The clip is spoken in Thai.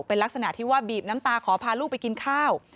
เป็นลักษณะที่ว่าบีบน้ำตาขอพาลูกไปกินข้าว